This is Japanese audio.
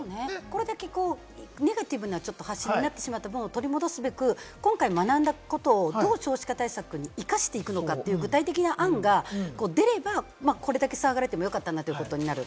これだけネガティブな発信になってしまったものを取り戻すべく、今回学んだことをどう少子化対策に生かしていくのかという具体的な案が出れば、これだけ騒がれてもよかったんだということになる。